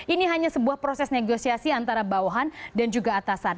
ini hanya sebuah proses negosiasi antara bawahan dan juga atasan